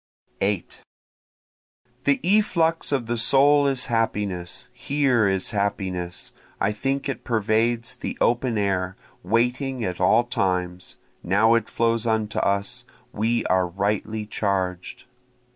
8 The efflux of the soul is happiness, here is happiness, I think it pervades the open air, waiting at all times, Now it flows unto us, we are rightly charged.